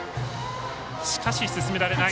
しかし進められない。